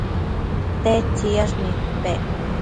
tedtsiyash nidpec